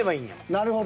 なるほど。